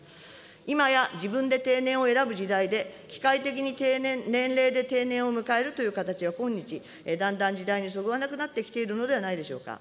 今や、自分で定年を選ぶ時代で、機械的に定年、年齢で定年を迎えるという形は、今日、だんだん時代にそぐわなくなってきているのではないでしょうか。